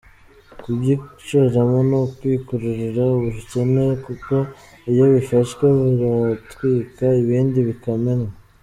Kubyishoramo ni ukwikururira ubukene kuko iyo bifashwe biratwikwa, ibindi bikamenwa.